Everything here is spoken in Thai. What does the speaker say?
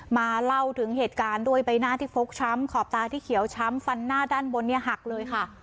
เล่าถึงเหตุการณ์ด้วยใบหน้าที่ฟกช้ำขอบตาที่เขียวช้ำฟันหน้าด้านบนเนี่ยหักเลยค่ะ